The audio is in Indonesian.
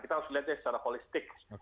kita harus lihat secara holistik